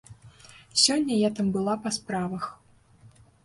Сёння я там была па справах.